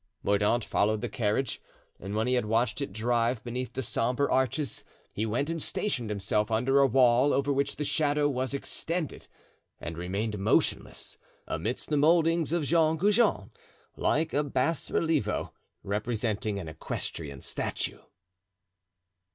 Mordaunt followed the carriage, and when he had watched it drive beneath the sombre arches he went and stationed himself under a wall over which the shadow was extended, and remained motionless, amidst the moldings of Jean Goujon, like a bas relievo, representing an equestrian statue.